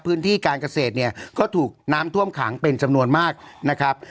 พื้นที่การเกษตรเนี่ยก็ถูกน้ำท่วมขังเป็นจำนวนมากนะครับ